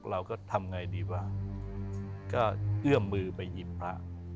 เราก็ทำไงดีวะก็เอื้อมมือไปหยิบพระ